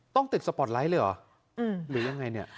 ต้องติดสปอร์ตไลท์เลยหรือยังไงเนี่ย